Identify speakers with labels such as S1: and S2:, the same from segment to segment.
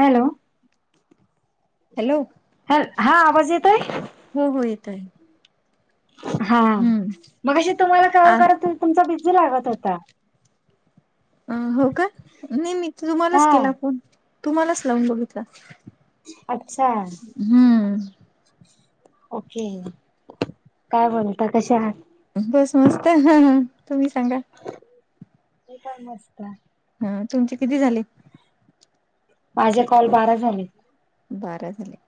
S1: Hello.
S2: Hello.
S1: हॅ, हा आवाज येत आहे?
S2: हो-हो येत आहे.
S1: हा, मघाशी तुम्हाला कॉल
S2: आ
S1: करत होते, तुमचा बिझी लागत होता.
S2: अं.. हो का? नाही मी
S1: हा
S2: तुम्हालाच केला फोन, तुम्हालाच लावून बघितला.
S1: आच्छा!
S2: हम्म्.
S1: ओके, काय म्हणता कशा आहात?
S2: बस, मस्त. तुम्ही सांगा?
S1: मी पण मस्त
S2: हं तुमचे किती झाले?
S1: माझे कॉल बारा झाले.
S2: बारा झाले.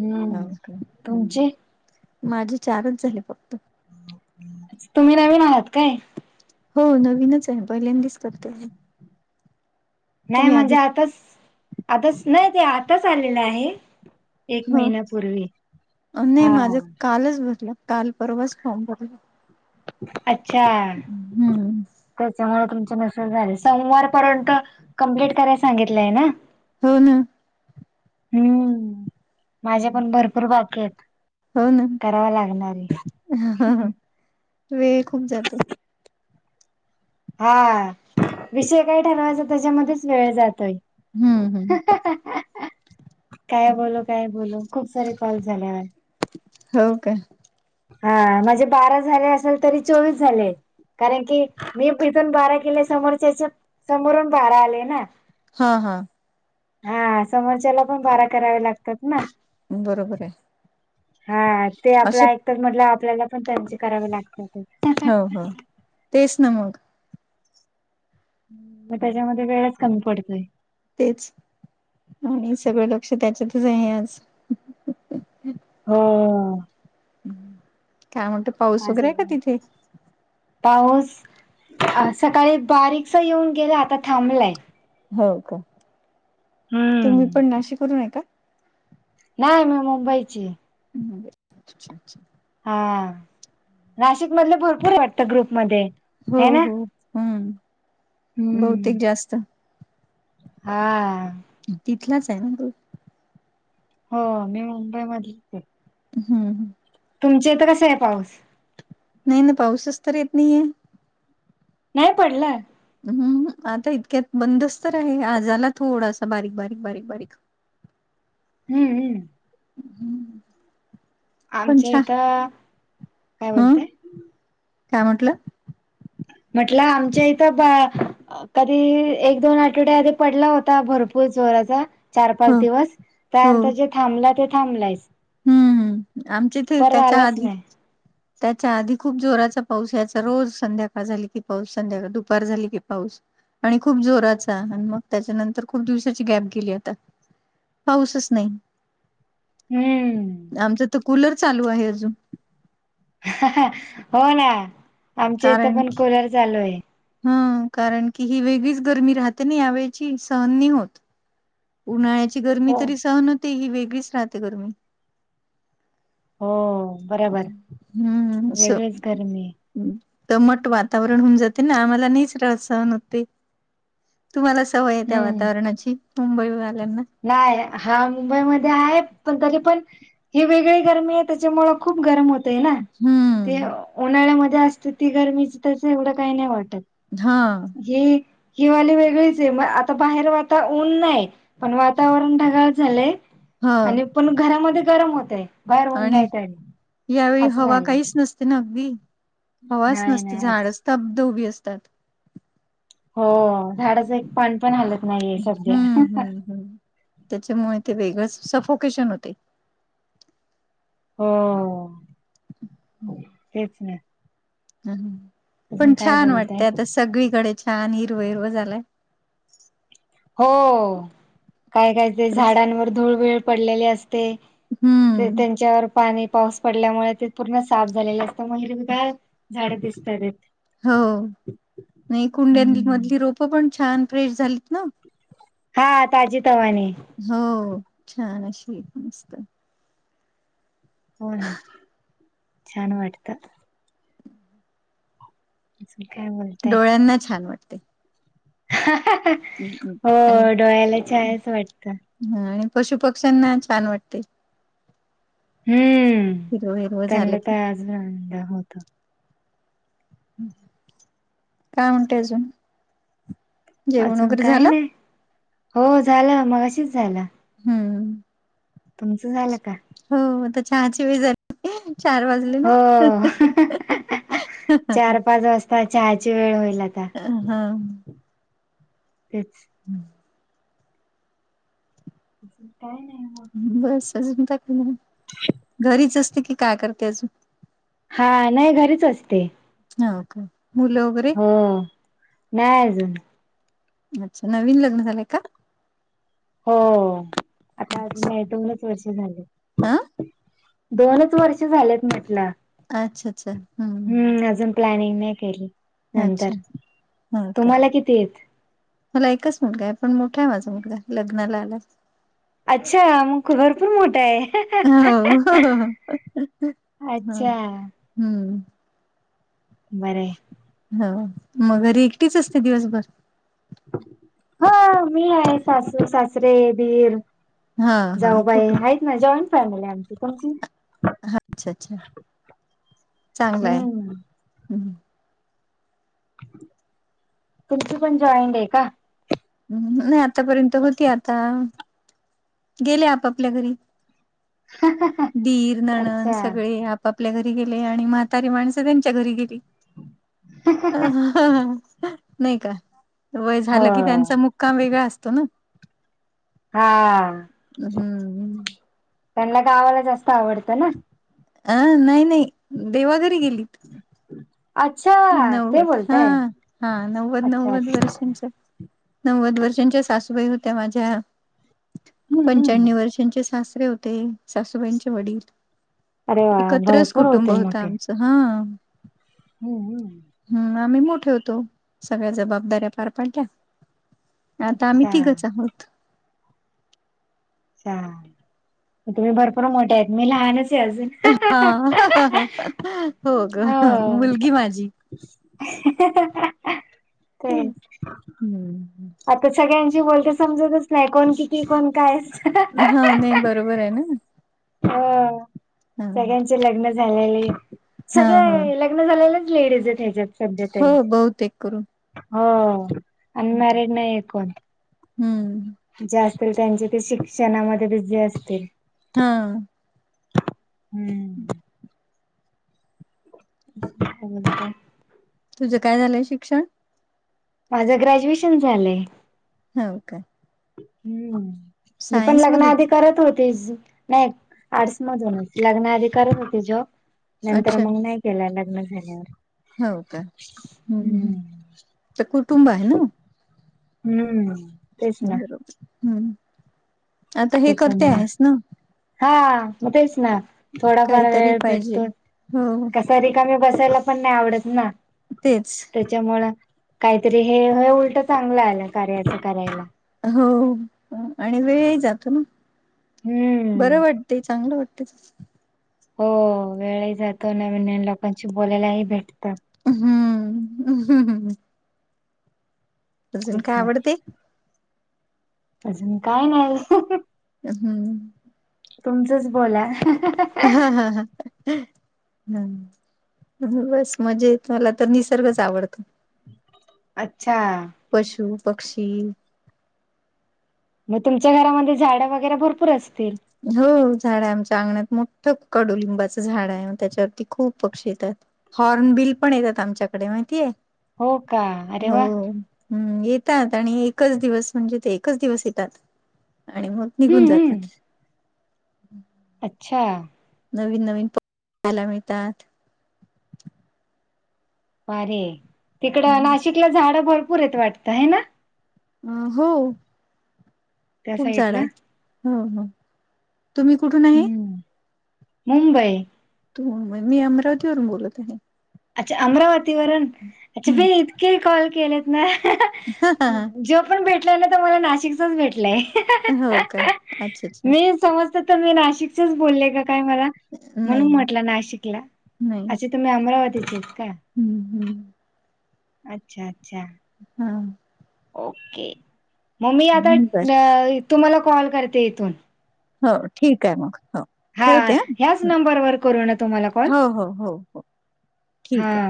S1: हम्म्
S2: हो का
S1: तुमचे
S2: माझे चारच झाले फक्त.
S1: तुम्ही नवीन आहात काय?
S2: हो, नवीनच आहे. पहिल्यांदीच करते मी.
S1: नाही
S2: तुम्ही आधी
S1: म्हणजे आताच, आताच नाही ते आताच आलेलं आहे. एक
S2: हो,
S1: महिन्यापूर्वी
S2: नाही
S1: हा
S2: माझा कालच भरला काल परवाच फॉर्म भरला.
S1: आच्छा,
S2: हम्म
S1: त्याच्यामुळे तुमचे नस असं झाले. सोमवारपर्यंत, कंमप्लीट करायला सांगितलंय ना?
S2: हो, ना
S1: हम्म. माझेपण, भरपूर बाकीयत
S2: हो ना
S1: करावं लागणारे
S2: वेळ खूप जातो.
S1: हा. विषय काय ठरवायचा, त्याच्यामध्येच वेळ जातोय.
S2: हम्म
S1: ह..
S2: हम्म
S1: ह.. ह.. आ. काय बोलू? काय बोलू? खूप सारे कॉल झाल्यावर
S2: हो काय?
S1: हा. माझे बारा झाले असेल, तरी चोवीस झालेत. कारण की, मी इथून बारा केले समोरच्याचे, समोरून बारा आले ना?
S2: हा.. हा.
S1: हा. समोरच्याला पण, बारा करावे लागतात ना?
S2: बरोबरर आहे.
S1: हा. ते आपलं
S2: असे
S1: ऐकतात म्हटल्यावर, आपल्याला पण त्यांचे करावे लागतात.
S2: हो-हो, तेच ना मग
S1: मग त्याच्यामध्ये वेळच कमी पडतोय.
S2: तेच. आणि सगळं लक्ष, त्याच्यातच आहे आज.
S1: हो
S2: काय म्हणटु?
S1: आज येत नाही. [unintelligible] पाऊस सकाळी बारीकसा येऊन गेला आता थांबलाय.
S2: हो का तुम्ही
S1: हम्म
S2: पण नाशिक वरुन आहे का?
S1: नाय मी मुंबईची
S2: हम् अच्छा अच्छा
S1: हा नाशिक मधले भरपूरय वाटत ग्रुप मध्ये
S2: हो हो हम् बहुतेक
S1: हम्म.
S2: जास्त
S1: हा
S2: तिथलाच आहे ना ग्रूप?
S1: हो मी मुंबई मधलीचय.
S2: हम्म
S1: तुमच्या इथं कसाय पाऊस?
S2: नाही ना पाऊसच तर येत नाहीये
S1: नाय पडला.
S2: हम्म आता इतक्यात बंदच तर आहे आजाला थोडासा बारीक बारीक बारीक बारीक
S1: हम्म हम्म
S2: पण
S1: आमच्या इथं काय
S2: हम्
S1: बोलते
S2: काय म्हटलं
S1: म्हटलं आमच्या इथं कधी एक दोन आठवड्या आधी पडला होता भरपूर जोराचा चार पाच
S2: हो
S1: दिवस
S2: हो
S1: त्यानंतर जे थांबला ते थांबलायच
S2: हम्म हम् आमचे ते
S1: परत
S2: त्याच्या
S1: आलाच
S2: आधी
S1: नाही
S2: त्याच्या आधी खूप जोराचा पाऊस याचा रोज संध्याकाळ झाली की पाऊस संध्याकाळ दुपार झाली की पाऊस आणि खूप जोराचा आणि मग त्याच्यानंतर खूप दिवसाची गॅप गेली आता पाऊसच नाही
S1: हम्म
S2: आमचं तर कूलर चालू आहे अजून
S1: हो ना आमच्या इथं पण कुलर चालू आहे
S2: हम कारण की ही वेगळीच गरमी राहते ना यावेळची सहन नाही होत उन्हाळ्याची गर्मी
S1: हो
S2: तरी सहन होते ही वेगळीच राहते गरमी
S1: हो बरोबर
S2: हम्म स
S1: वेगळीच गरमी आहे.
S2: दमट वातावरण होऊन जाते ना आम्हाला नाही सहन होते तुम्हाला सवय आहे त्या
S1: हम्म
S2: वातावरणाची मुंबईवर आल्यांना
S1: नाही हा मुंबईमध्ये आहे पण तरी पण ह वेगळी गरमी आहे त्याच्यामुळें खूप गरम होते ना ते
S2: हम्म
S1: उन्हाळ्यामध्ये असते ती गरमीच त्याच एवढं काही नाही वाटत
S2: हा
S1: ही हीवाली वेगळीच आहे मग आता बाहेर आता ऊन नाही पण वातावरण ढगाळ झालंय
S2: हा
S1: आणि पण घरामध्ये गरम होतय बाहेर होऊन नाहीत आणि
S2: यावेळी
S1: असं
S2: हवा
S1: झालंय
S2: काहीच नसते नगदी हवाच
S1: नाही
S2: नसते
S1: नाही
S2: झाडच तब्ध उभी असतात
S1: हो झाडाचं एक पान पण हलत नाहीये सध्या
S2: हम् त्याच्यामुळे ते वेगळंच सफोकेशन होते
S1: होम
S2: हम्म
S1: तेच नाही
S2: ह पण
S1: काय
S2: छान
S1: बोलताय?
S2: वाटतेय आता सगळीकडे छान हिरव हिरव झालाय
S1: हो काय काय ते
S2: प्रस
S1: झाडांवर धूळवेळ पडलेले असते ते
S2: हम्म
S1: त्यांच्यावर पाणी पाऊस पडल्यामुळे ते पूर्ण साफ झालेले अस आता महिरगार झाड दिसतात आहेत.
S2: हो नाही कुंड्यां
S1: हम्म
S2: मधली रोप पण छान फ्रेश झालीत. ना
S1: हा ताजी तवानी
S2: हो छान अशी मस्त
S1: हो ना छान वाटतं काय बोल
S2: डोळ्यांना छान वाटते. हम्म हम्म.
S1: हो
S2: आणि
S1: डोळ्याला हायाच वाटतं.
S2: हा आणि पशु पक्ष्यांना छान वाटते.
S1: हम्म
S2: हिरव हिरव झालं
S1: त्यांला
S2: की
S1: तर अजून आनंद होत.
S2: काय म्हणतेय अजून जेवण
S1: अजून
S2: वगैरे
S1: काही
S2: झालं?
S1: नाही हो झालं मग अशीच झालं.
S2: हम्म
S1: तुमचं झालं का?
S2: हो आता चहाची झाली चार वाजले ना
S1: हो चहा ची वेळ होईल आता
S2: अ हा
S1: तेच
S2: हम्
S1: काही नाही.
S2: बस अजून टाक घरीच असते. की काय करते अजून
S1: हा नाही घरीच असते.
S2: हा का मुल वगैरे
S1: हो नाही अजून
S2: अच्छा नवीन लग्न झालंय का?
S1: हो आता अजून दोनच वर्ष झाले
S2: अ
S1: दोनच वर्ष झालेत म्हटलं
S2: अच्छा अच्छा हम्
S1: हम्म अजून प्लॅनिंग नाही. केली
S2: अच्छा
S1: नंतर
S2: हो का.
S1: तुम्हाला किती येत
S2: मला एकच मुलगा आहे. पण मोठा आहे माझा मुलगा लग्नाला आला
S1: अच्छा मग भरपूर मोठा आहे.
S2: हो ह
S1: अच्छा
S2: हम्म
S1: बरं
S2: हो मगर एकटीच असते. दिवसभर
S1: हा मी आहे सासू सासरे दीर
S2: हा हा.
S1: जाऊ बाई
S2: कुठून?
S1: आहेत. ना जॉईंट फॅमिली आमची तुमची
S2: हा अच्छा अच्छा चांगला आहे.
S1: हम्म
S2: ह
S1: तुमची पण जॉईंट आहे का?
S2: नाही आतापर्यंत होती. आता गेले आपपल्या घरी दीर ननंद
S1: अच्छा
S2: सगळे आप बा आपल्या घरी गेले आणि म्हातारी माणसं त्यांच्या घरी गेली. अ नाही का वय झालं.
S1: हो
S2: की त्यांचा मुक्काम वेगळा असतो. ना
S1: हा
S2: हम्म हम्म
S1: त्यांना गावाला जास्त आवडतं ना
S2: अं नाही नाही देवा घरी गेलीत.
S1: अच्छा ते
S2: नव्वद हा
S1: बोलताय
S2: हा नव्वद
S1: अच्छा
S2: नव्वद
S1: अच्छा अच्छा
S2: वर्षांच्या नव्वद वर्षांच्या सासूबाई होत्या माझ्या
S1: हम्म हम्म
S2: पंच्या्व वर्ष त्यांचे सासरे होते. सासूबाईंचे वडील
S1: अरे वा
S2: एकत्रच
S1: भरपूर
S2: कुटुंब
S1: होते
S2: होता आमचा हा
S1: हम् हम्
S2: हम् आम्ही मोठे होतो सगळ्या जबाबदाऱ्या पार पाडत्या आता आम्ही
S1: अच्छा
S2: तघच आहोत
S1: अच्छा तुम्ही भरपूर मोठे आहेत मी लहानच आहे अजून
S2: हा हो ग मुलगी माझी
S1: ते
S2: हम्म
S1: आता सगळ्यांशी बोलते समजतच नाही कोण किती कोण काय
S2: हा नाही बरोबर आहे ना
S1: अ
S2: हा
S1: सगळ्यांचे लग्न झालेले
S2: हा हा
S1: सगळे ल लग्न झालेलाच लेडीज ह्याच्यात सध्या
S2: हो
S1: तरी
S2: बहुतेक करून
S1: हो अनमॅरिड नाही आहे कोण
S2: हम्म
S1: जे असतील त्यांचे ते शिक्षणामध्ये बिझी असतील.
S2: हम
S1: हम्म का
S2: तुझं काय झालंय शिक्षण?
S1: माझं ग्रॅज्युएशन झालंय.
S2: हो का.
S1: हम्म मी पण
S2: सायन्स मधून
S1: लग्नाधिक. करत होती नाही आर्टस मधून लग्नाआधी करत होती जॉब. नंतर
S2: अच्छा
S1: मग नाही केला लग्न झाल्यावर.
S2: हो का
S1: हम्म.
S2: तर कुटुंब आहे ना.
S1: हम्म तेच ना
S2: बरोबर हम्म. आता हे करते
S1: त्याच्यामुळे
S2: आहेस ना
S1: हा मग तेच ना. थोडाफार
S2: काहीतरी
S1: वेळ
S2: पाहिजे
S1: भेटतो
S2: हो
S1: कसा रिकामी बसायला पण नाही आवडत ना.
S2: तेच.
S1: त्याच्यामु काहीतरी हे हे उलट चांगलं आलं कार्याच करायला.
S2: हो आणि वेळ जातो ना. बरं
S1: हम्म
S2: वाटते चांगलं वाटते.
S1: हो वेळही जातो नवीन नवीन लोकांशी बोलायलाही भेटतं.
S2: हम्म् हम्
S1: तेच
S2: काय आवडते
S1: नाही अजून काय नाही.
S2: हम्म
S1: तुमचंच बोला
S2: हा हा हा. हम्म बस मजा य तु मला तर निसर्गच आवडतो.
S1: अच्छा.
S2: पशु पक्षी.
S1: मग तुमच्या घरामध्ये झाडं वगैरे भरपूर असतील.
S2: हो झाड आहे आमच्या अंगणात मोठठं कडुलिंबाचं झाड आहे त्याच्यावरती खूप पक्षी येतात. हॉर्न बिल पण येतात आमच्याकडे माहितीय
S1: हो का अरे वा
S2: हो. हम्म येतात आणि एकच दिवस म्हणजे ते एकच दिवस येतात आणि मग. निघून
S1: हम्म
S2: जातात.
S1: हम्म अच्छा
S2: नवीन नवीन प पाहायला मिळतात.
S1: अरे तिकड नाशिकला झाडं भरपूर आहेतेत वाटतं आहे ना.
S2: अ हो
S1: त्या
S2: खूप झाड
S1: साईडला
S2: आहे हो हो. तुम्ही कुठून आहे.
S1: हम्म मुंबई.
S2: त मी अमरावतीवरून बोलत आहे.
S1: अच्छा अमरावतीवरून अच्छा बी
S2: हम्म
S1: इतके कॉल केलेत ना जो. आपण भेटल्या ना तर मला नाशिकच भेटलंय.
S2: हो का अच्छा अच्छा.
S1: समजत तर मी नाशिकच बोलले का काय मला
S2: नाही
S1: म्हणून
S2: नाही
S1: म्हटलं नाशिकला
S2: नाही
S1: अस. तुम्ही अमरावतीचे आहेत का.
S2: हम्म हम्म
S1: अच्छा अच्छा.
S2: हम्
S1: ओके मग मी आता
S2: बर
S1: तुम्हाला कॉल करते इथून..
S2: हो ठीक आहे मग हो
S1: हा
S2: ठेवते
S1: ह्याच
S2: हो
S1: नंबरवर करू ना तुम्हाला कॉल
S2: हो हो हो
S1: हा
S2: ठीक आहे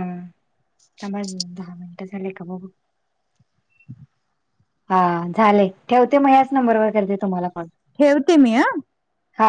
S1: समज दहा मिनिटं झाले का बघ
S2: हम्
S1: हा झाले ठेवते मग याच नंबरवर करते तुम्हाला कॉल
S2: ठेवते मी ह
S1: हा